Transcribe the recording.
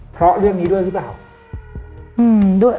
เพราะเรื่องนี้ด้วยหรือเปล่า